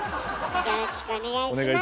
よろしくお願いします。